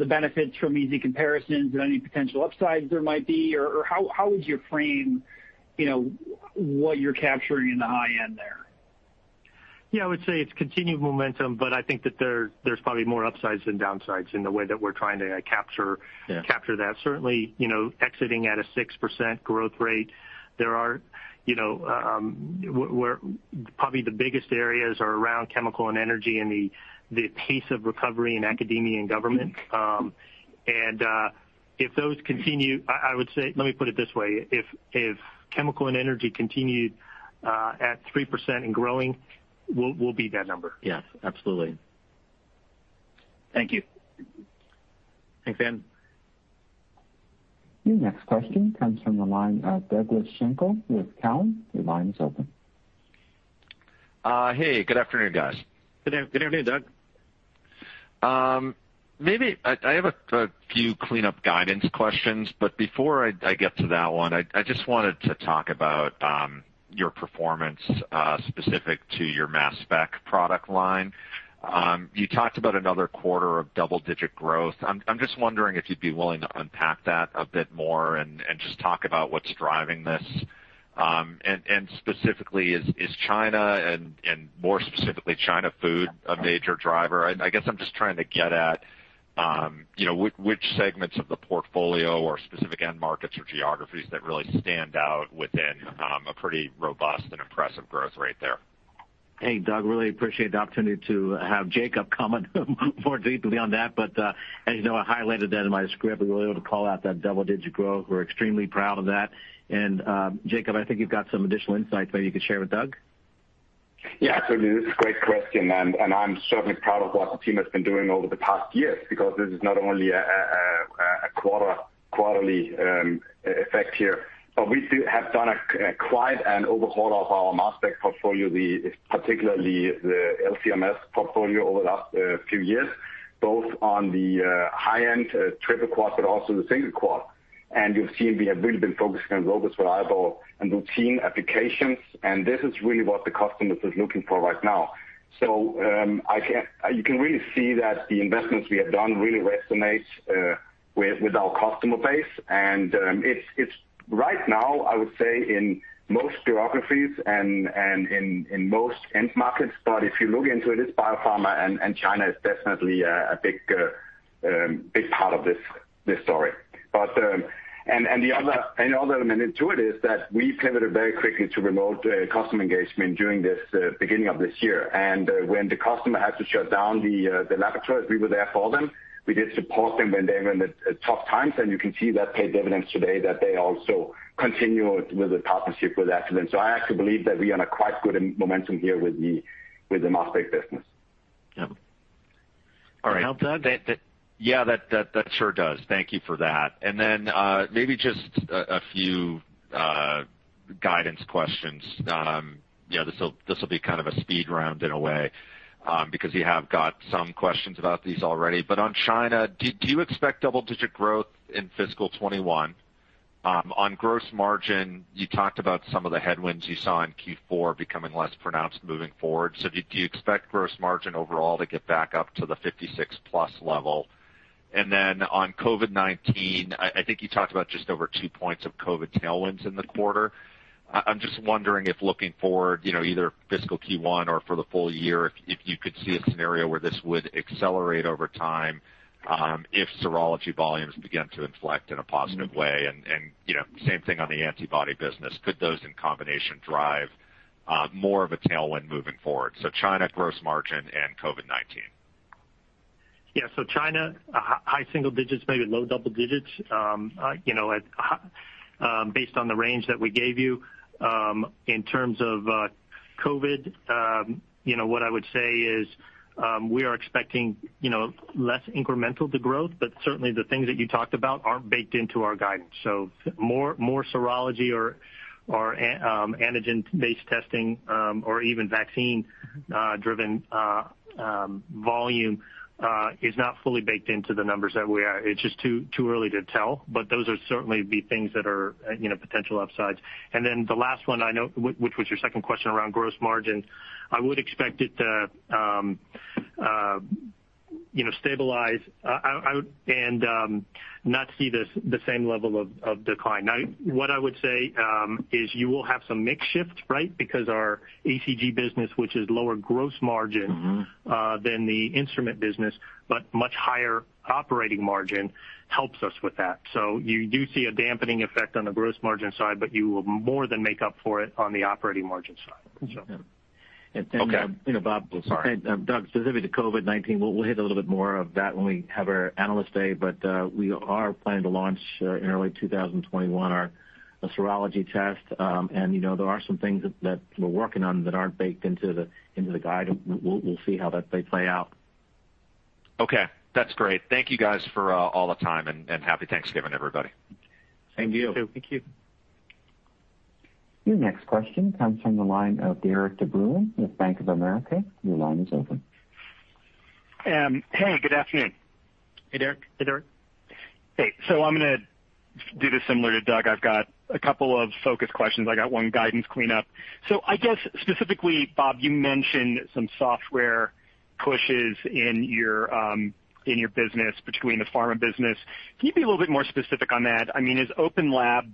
benefits from easy comparisons and any potential upsides there might be, or how would you frame what you're capturing in the high end there? Yeah. I would say it's continued momentum, but I think that there's probably more upsides than downsides in the way that we're trying to capture that. Yeah. Certainly, exiting at a 6% growth rate, probably the biggest areas are around Chemical and Energy and the pace of recovery in Academia and Government. If those continue, let me put it this way, if Chemical and Energy continued at 3% and growing, we'll beat that number. Yes, absolutely. Thank you. Thanks, Dan. Your next question comes from the line of Douglas Schenkel with Cowen. Your line is open. Hey, good afternoon, guys. Good afternoon, Doug. I have a few cleanup guidance questions, but before I get to that one, I just wanted to talk about your performance, specific to your Mass Spectrometry product line. You talked about another quarter of double-digit growth. I'm just wondering if you'd be willing to unpack that a bit more and just talk about what's driving this. Specifically, is China and more specifically China food, a major driver? I guess I'm just trying to get at which segments of the portfolio or specific end markets or geographies that really stand out within a pretty robust and impressive growth rate there. Hey, Doug, really appreciate the opportunity to have Jacob comment more deeply on that. As you know, I highlighted that in my script. We were able to call out that double-digit growth. We're extremely proud of that. Jacob, I think you've got some additional insights maybe you could share with Doug. Yeah, absolutely. This is a great question, and I'm certainly proud of what the team has been doing over the past years because this is not only a quarterly effect here, but we have done quite an overhaul of our Mass Spectrometry portfolio, particularly the LC-MS portfolio over the last few years, both on the high-end triple quad, but also the single quad. You've seen we have really been focusing on robust, reliable, and routine applications, and this is really what the customers are looking for right now. You can really see that the investments we have done really resonate with our customer base, and it's right now, I would say, in most geographies and in most end markets. If you look into it's biopharma, and China is definitely a big part of this story. The other element to it is that we pivoted very quickly to remote customer engagement during the beginning of this year. When the customer had to shut down the laboratories, we were there for them. We did support them when they were in the tough times, and you can see that paid dividends today, that they also continued with the partnership with Agilent. I actually believe that we are in a quite good momentum here with the Mass Spectrometry business. Yeah. All right. That help, Doug? Yeah, that sure does. Thank you for that. Maybe just a few guidance questions. This'll be kind of a speed round in a way, because you have got some questions about these already. On China, do you expect double-digit growth in fiscal 2021? On gross margin, you talked about some of the headwinds you saw in Q4 becoming less pronounced moving forward. Do you expect gross margin overall to get back up to the 56%+ level? On COVID-19, I think you talked about just over two points of COVID tailwinds in the quarter. I'm just wondering if looking forward, either fiscal Q1 or for the full year, if you could see a scenario where this would accelerate over time if serology volumes begin to inflect in a positive way. Same thing on the antibody business. Could those in combination drive more of a tailwind moving forward? China, gross margin, and COVID-19. China, high single digits, maybe low double digits based on the range that we gave you. In terms of COVID, what I would say is we are expecting less incremental to growth, but certainly the things that you talked about aren't baked into our guidance. More serology or antigen-based testing or even vaccine-driven volume is not fully baked into the numbers that we are. It's just too early to tell. Those are certainly the things that are potential upsides. The last one, which was your second question around gross margin, I would expect it to stabilize and not see the same level of decline. Now, what I would say is you will have some mix shift, right? Because our ACG business, which is lower gross margin than the instrument business, but much higher operating margin, helps us with that. You do see a dampening effect on the gross margin side, but you will more than make up for it on the operating margin side. Okay. Sorry. Doug, specifically to COVID-19, we'll hit a little bit more of that when we have our Analyst Day, but we are planning to launch in early 2021 our serology test. There are some things that we're working on that aren't baked into the guidance. We'll see how they play out. Okay. That's great. Thank you guys for all the time, and happy Thanksgiving, everybody. Same to you. Thank you. Your next question comes from the line of Derik De Bruin with Bank of America. Your line is open. Hey, good afternoon. Hey, Derik. Hey, Derik. Hey. I'm going to do this similar to Doug. I've got a couple of focus questions. I got one guidance cleanup. I guess specifically, Bob, you mentioned some software pushes in your business between the Pharma business. Can you be a little bit more specific on that? I mean, is OpenLab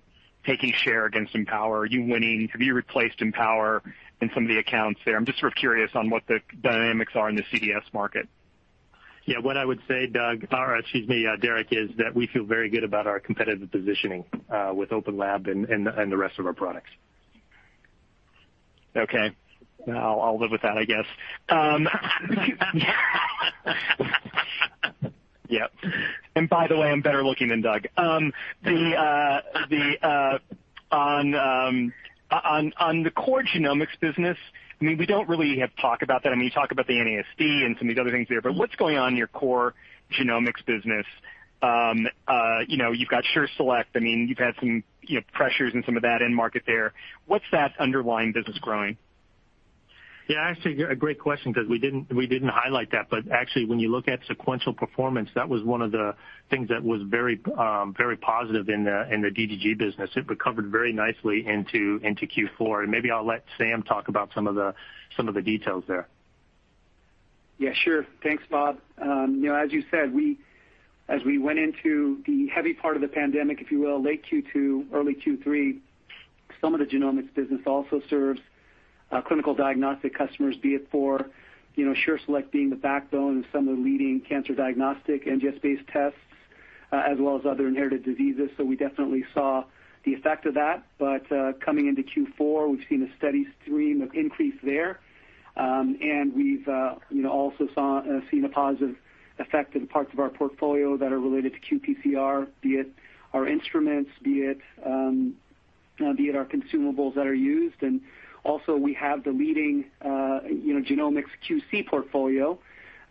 taking share against Empower? Are you winning? Have you replaced Empower in some of the accounts there? I'm just sort of curious on what the dynamics are in the CDS market. Yeah, what I would say, Doug, or excuse me, Derik, is that we feel very good about our competitive positioning with OpenLab and the rest of our products. Okay. I'll live with that, I guess. Yep. By the way, I'm better looking than Doug. On the core Genomics business, we don't really have talk about that. You talk about the NASD and some of these other things there, what's going on in your core Genomics business? You've got SureSelect. You've had some pressures in some of that end market there. What's that underlying business growing? Yeah, actually, a great question because we didn't highlight that. Actually, when you look at sequential performance, that was one of the things that was very positive in the DGG business. It recovered very nicely into Q4. Maybe I'll let Sam talk about some of the details there. Yeah, sure. Thanks, Bob. As you said, as we went into the heavy part of the pandemic, if you will, late Q2, early Q3, some of the Genomics business also serves Clinical/Diagnostic customers, be it for SureSelect being the backbone of some of the leading cancer diagnostic NGS-based tests, as well as other inherited diseases. We definitely saw the effect of that. Coming into Q4, we've seen a steady stream of increase there. We've also seen a positive effect in parts of our portfolio that are related to qPCR, be it our instruments, be it our consumables that are used. Also, we have the leading Genomics QC portfolio,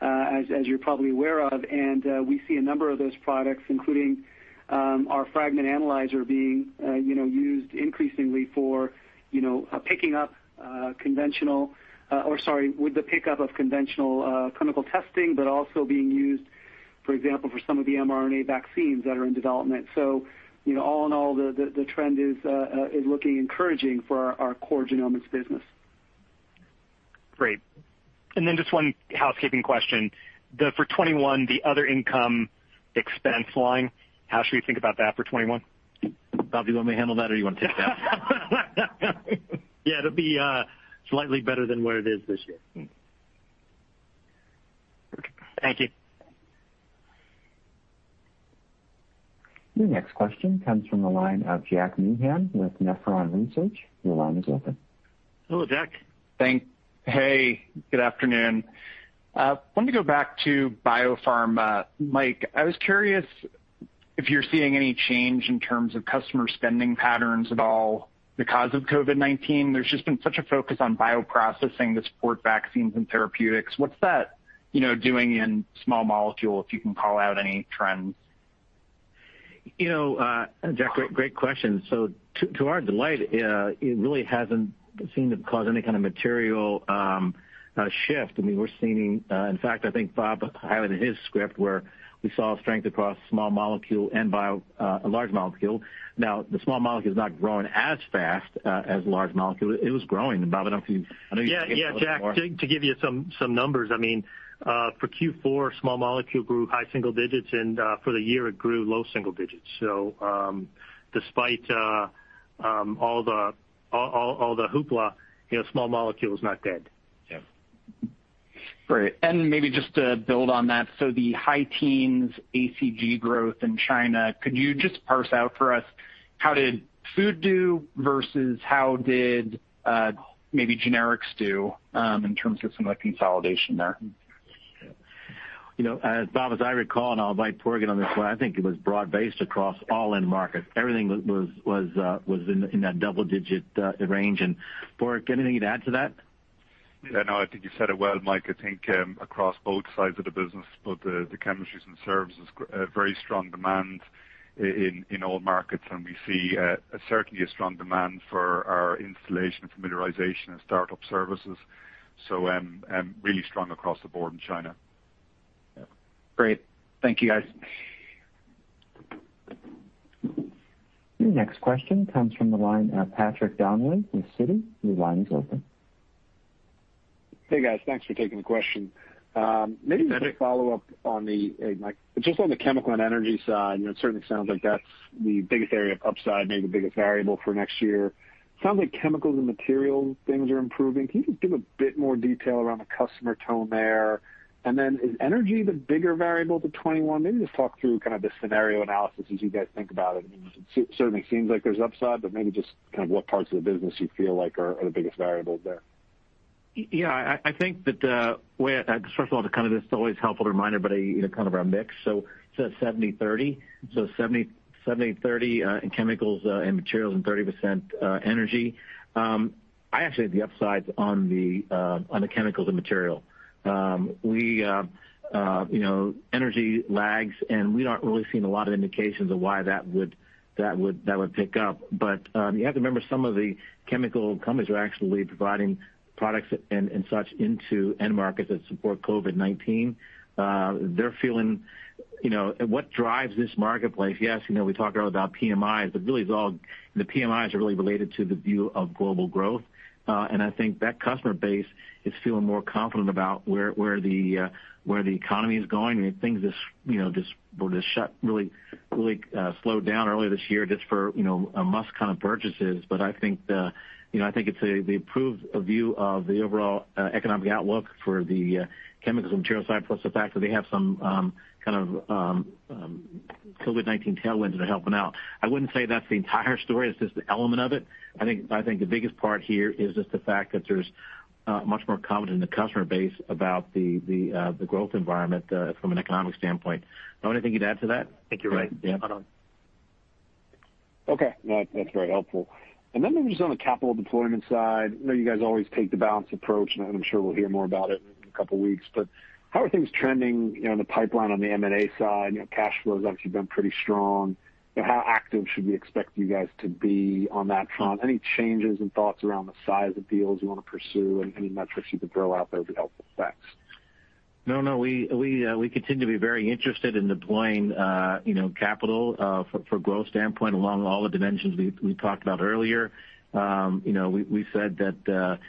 as you're probably aware of. We see a number of those products, including our Fragment Analyzer, being used increasingly with the pickup of conventional clinical testing, but also being used, for example, for some of the mRNA vaccines that are in development. All in all, the trend is looking encouraging for our core Genomics business. Great. just one housekeeping question. For 2021, the other income expense line, how should we think about that for 2021? Bob, do you want me to handle that, or you want to take that? Yeah, it'll be slightly better than where it is this year. Okay. Thank you. Your next question comes from the line of Jack Meehan with Nephron Research. Your line is open. Hello, Jack. Hey, good afternoon. I wanted to go back to biopharm. Mike, I was curious if you're seeing any change in terms of customer spending patterns at all because of COVID-19. There's just been such a focus on bioprocessing to support vaccines and therapeutics. What's that doing in small molecule, if you can call out any trends? Jack, great question. To our delight, it really hasn't seemed to cause any kind of material shift. In fact, I think Bob highlighted in his script where we saw strength across small molecule and large molecule. The small molecule's not growing as fast as large molecule. It was growing. Bob, Yeah. Jack, to give you some numbers, for Q4, small molecule grew high single digits, and for the year, it grew low single digits. Despite all the hoopla, small molecule is not dead. Yeah. Great. Maybe just to build on that. The high teens ACG growth in China, could you just parse out for us how did food do versus how did maybe generics do in terms of some of the consolidation there? As Bob, as I recall, I'll invite Padraig on this one, I think it was broad-based across all end markets. Everything was in that double-digit range. Padraig, anything you'd add to that? Yeah, no. I think you said it well, Mike. I think across both sides of the business, both the chemistries and services, very strong demand in all markets. We see certainly a strong demand for our installation, familiarization, and startup services. Really strong across the board in China. Great. Thank you, guys. Your next question comes from the line of Patrick Donnelly with Citi. Your line is open. Hey, guys. Thanks for taking the question. Maybe just a follow-up on Mike, just on the Chemical and Energy side, it certainly sounds like that's the biggest area of upside, maybe the biggest variable for next year. Sounds like chemicals and materials, things are improving. Can you just give a bit more detail around the customer tone there? Then is energy the bigger variable to 2021? Maybe just talk through the scenario analysis as you guys think about it. It certainly seems like there's upside, maybe just what parts of the business you feel like are the biggest variables there. First of all, this is always a helpful reminder, but our mix. It's at 70/30. 70/30 in chemicals and materials and 30% energy. I actually have the upsides on the chemicals and material. Energy lags, and we aren't really seeing a lot of indications of why that would pick up. You have to remember, some of the chemical companies are actually providing products and such into end markets that support COVID-19. What drives this marketplace, yes, we talk about PMIs, but really the PMIs are really related to the view of global growth. I think that customer base is feeling more confident about where the economy is going. Things just really slowed down earlier this year just for must purchases. I think it's the improved view of the overall economic outlook for the chemicals and materials side, plus the fact that they have some COVID-19 tailwinds that are helping out. I wouldn't say that's the entire story. It's just an element of it. I think the biggest part here is just the fact that there's much more confidence in the customer base about the growth environment from an economic standpoint. Anything you'd add to that? I think you're right. Okay. No, that's very helpful. Maybe just on the capital deployment side, I know you guys always take the balanced approach, and I'm sure we'll hear more about it in a couple of weeks. How are things trending in the pipeline on the M&A side? Cash flow has actually been pretty strong. How active should we expect you guys to be on that front? Any changes in thoughts around the size of deals you want to pursue, and any metrics you could throw out there to help with facts? No, we continue to be very interested in deploying capital for growth standpoint along all the dimensions we talked about earlier. We said that the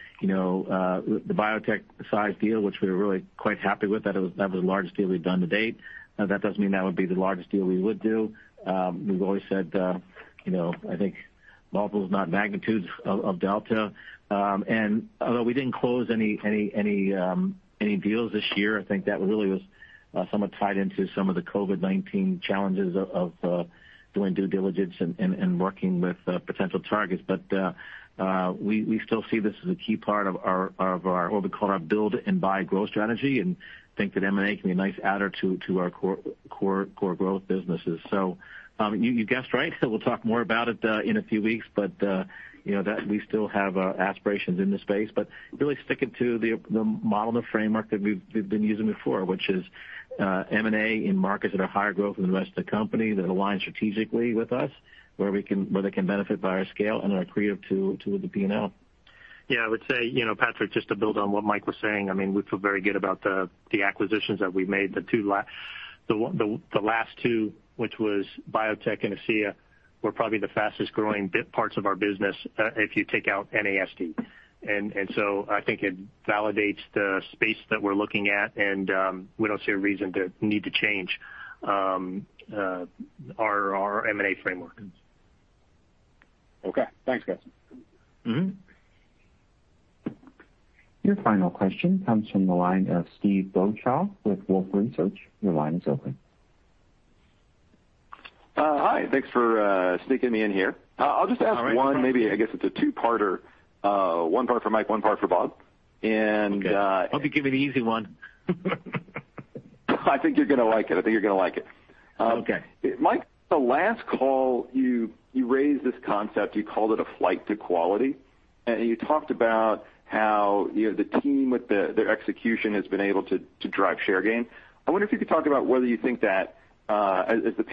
BioTek size deal, which we were really quite happy with, that was the largest deal we've done to date. That doesn't mean that would be the largest deal we would do. We've always said, I think multiples, not magnitudes of delta. Although we didn't close any deals this year, I think that really was somewhat tied into some of the COVID-19 challenges of doing due diligence and working with potential targets. We still see this as a key part of what we call our build and buy growth strategy, and think that M&A can be a nice adder to our core growth businesses. You guessed right. We'll talk more about it in a few weeks, but we still have aspirations in this space, but really sticking to the model and the framework that we've been using before, which is M&A in markets that are higher growth than the rest of the company, that align strategically with us, where they can benefit by our scale and are accretive to the P&L. Yeah, I would say, Patrick, just to build on what Mike was saying, we feel very good about the acquisitions that we made. The last two, which was BioTek and ACEA, were probably the fastest-growing bit parts of our business if you take out NASD. I think it validates the space that we're looking at, and we don't see a reason to need to change our M&A framework. Okay. Thanks, guys. Your final question comes from the line of Steve Beuchaw with Wolfe Research. Your line is open. Hi. Thanks for sneaking me in here. All right. I'll just ask one, maybe I guess it's a two-parter. One part for Mike, one part for Bob. Okay. Hope you give me the easy one. I think you're going to like it. Okay. Mike, the last call, you raised this concept, you called it a flight to quality. You talked about how the team with their execution has been able to drive share gain. I wonder if you could talk about whether you think that as the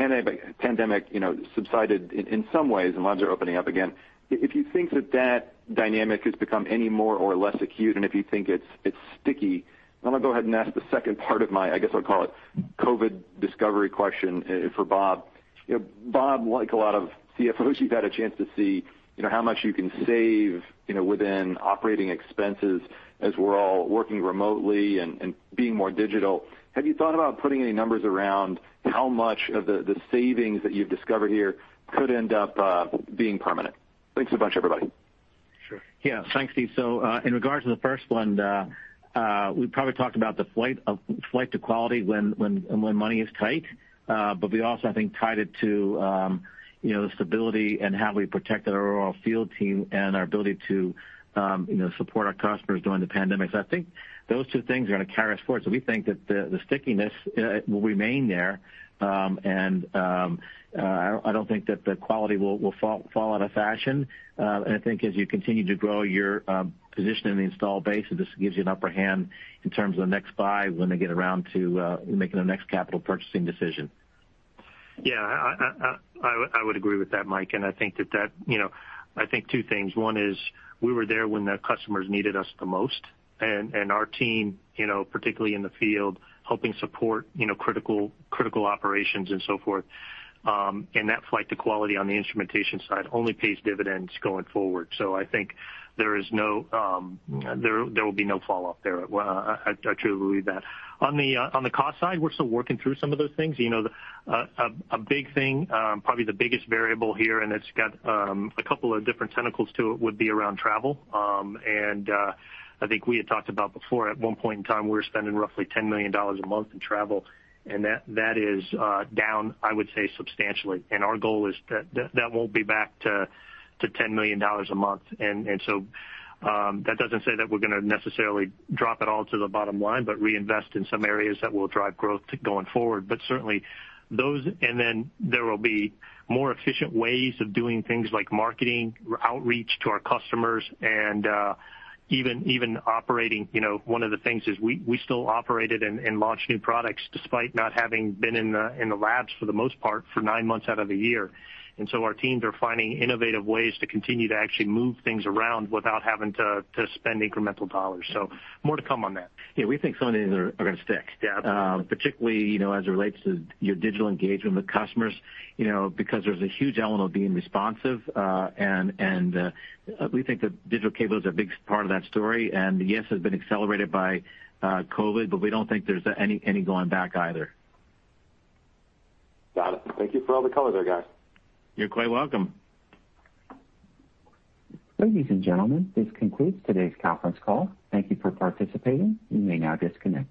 pandemic subsided in some ways and labs are opening up again, if you think that dynamic has become any more or less acute, and if you think it's sticky. I'm going to go ahead and ask the second part of my, I guess I'll call it COVID discovery question for Bob. Bob, like a lot of CFOs, you've had a chance to see how much you can save within operating expenses as we're all working remotely and being more digital. Have you thought about putting any numbers around how much of the savings that you've discovered here could end up being permanent? Thanks a bunch, everybody. Sure. Yeah. Thanks, Steve. In regards to the first one, we probably talked about the flight to quality when money is tight. We also, I think, tied it to the stability and how we protected our overall field team and our ability to support our customers during the pandemic. I think those two things are going to carry us forward. We think that the stickiness will remain there. I don't think that the quality will fall out of fashion. I think as you continue to grow your position in the install base, this gives you an upper hand in terms of the next buy when they get around to making the next capital purchasing decision. Yeah. I would agree with that, Mike. I think two things. One is we were there when the customers needed us the most, and our team, particularly in the field, helping support critical operations and so forth. That flight to quality on the instrumentation side only pays dividends going forward. I think there will be no fall off there. I truly believe that. On the cost side, we're still working through some of those things. A big thing, probably the biggest variable here, and it's got a couple of different tentacles to it, would be around travel. I think we had talked about before, at one point in time, we were spending roughly $10 million a month in travel, and that is down, I would say, substantially. Our goal is that won't be back to $10 million a month. That doesn't say that we're going to necessarily drop it all to the bottom line, but reinvest in some areas that will drive growth going forward. Certainly, there will be more efficient ways of doing things like marketing, outreach to our customers, and even operating. One of the things is we still operated and launched new products despite not having been in the labs for the most part for nine months out of the year. Our teams are finding innovative ways to continue to actually move things around without having to spend incremental dollars. More to come on that. Yeah, we think some of these are going to stick. Yeah. Particularly as it relates to your digital engagement with customers because there's a huge element of being responsive. We think that digital cable is a big part of that story. Yes, it has been accelerated by COVID, but we don't think there's any going back either. Got it. Thank you for all the color there, guys. You're quite welcome. Ladies and gentlemen, this concludes today's conference call. Thank you for participating. You may now disconnect.